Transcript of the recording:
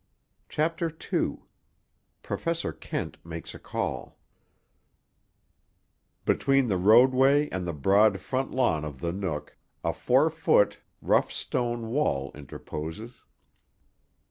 CHAPTER II—PROFESSOR KENT MAKES A CALL Between the roadway and the broad front lawn of the Nook a four foot, rough stone wall interposes.